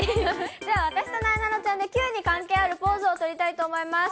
じゃあ私となえなのちゃんで、Ｑに関係あるポーズを取りたいと思います。